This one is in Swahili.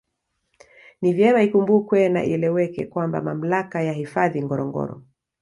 Ni vyema ikumbukwe na ieleweke kwamba Mamlaka ya hifadhi Ngorongoro